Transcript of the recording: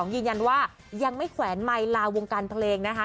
ยืนยันว่ายังไม่แขวนไมค์ลาวงการเพลงนะคะ